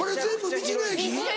道の駅！